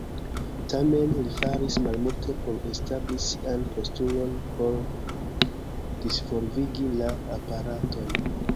Tamen, li faris malmulte por establi sian postulon por disvolvigi la aparaton.